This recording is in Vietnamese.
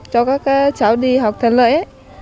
cho các cháu đi học thân lợi